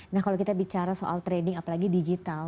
nah kalau kita bicara soal trading apalagi digital